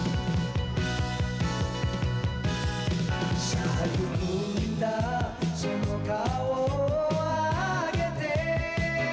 「さあ行くんだその顔をあげて」